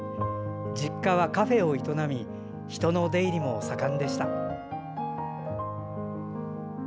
実家はカフェを営なみ人の出入りも盛んでした。